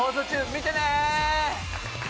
見てね！